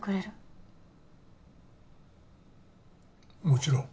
もちろん。